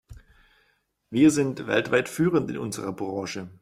Wir sind weltweit führend in unserer Branche.